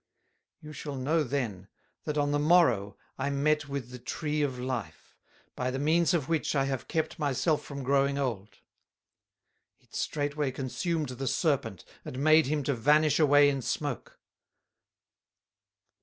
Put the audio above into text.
You shall know then, that on the morrow I met with the Tree of Life, by the means of which I have kept my self from growing old; it straightway consumed the Serpent and made him to vanish away in smoke."